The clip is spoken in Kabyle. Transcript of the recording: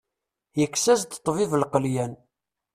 Yekkes-as-d ṭṭbib lqelyan.